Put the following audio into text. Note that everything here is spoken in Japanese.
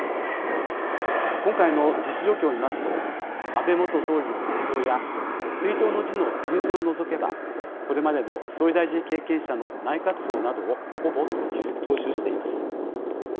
今回の実施状況を見ますと安倍元総理の映像や追悼の辞の人選を除けばこれまでの総理大臣経験者の内閣葬などをほぼ踏襲しています。